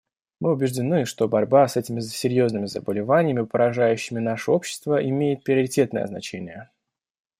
Мы убеждены, что борьба с этими серьезными заболеваниями, поражающими наши общества, имеет приоритетное значение.